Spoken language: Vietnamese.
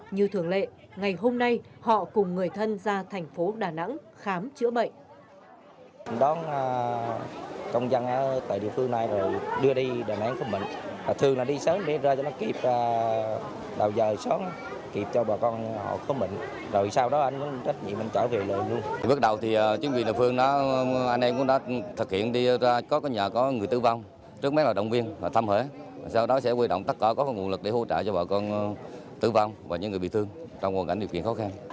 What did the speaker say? như thường lệ ngày hôm nay họ cùng người thân ra thành phố đà nẵng khám chữa bệnh